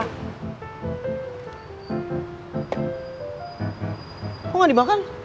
kok nggak dimakan